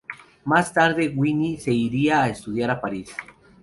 Más tarde Winnie se iría a estudiar a París.